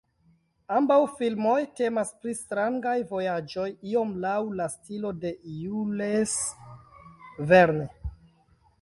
Ambaŭ filmoj temas pri strangaj vojaĝoj, iom laŭ la stilo de Jules Verne.